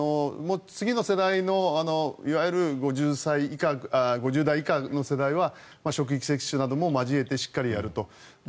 次の世代のいわゆる５０代以下の世代は職域接種なども交えてしっかりやると。